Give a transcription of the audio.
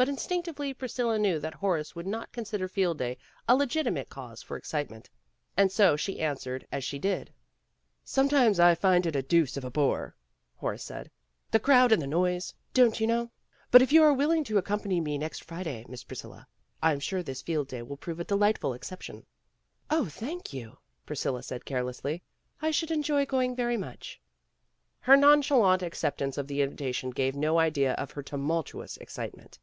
But instinctively Priscilla knew that Horace would not consider Field Day a legitimate cause for excitement, and so she answered as she did. "Sometimes I find it a deuce of a bore," Horace said. "The crowd and the noise, don't 66 PEGGY RAYMOND'S WAY you know. But if you are willing to ac company me next Friday, Miss Priscilla, I'm sure this Field Day will prove a delightful ex ception. '' "Oh, thank you," Priscilla said carelessly. "I should enjoy going very much." Her non chalant acceptance of the invitation gave no idea of her tumultuous excitement.